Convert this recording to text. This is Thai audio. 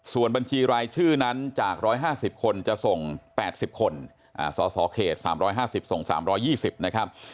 ส่วนบัญชีรายชื่อนั้นจาก๑๕๐คนจะส่ง๘๐คนสสเขต๓๕๐ส่ง๓๒๐นะครับ